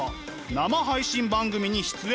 生配信番組に出演。